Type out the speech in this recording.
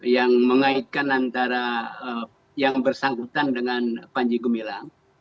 yang mengaitkan antara yang bersangkutan dengan panji gumilang